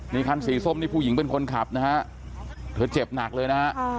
นี่คันสีส้มนี่ผู้หญิงเป็นคนขับนะฮะเธอเจ็บหนักเลยนะฮะ